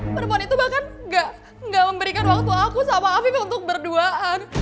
perempuan itu bahkan gak memberikan waktu aku sama afiq untuk berduaan